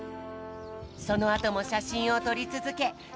そのあともしゃしんをとりつづけごうけい